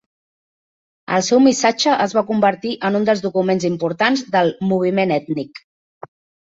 El seu missatge es va convertir en un dels documents importants del "moviment ètnic".